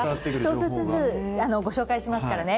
１つずつご紹介しますからね。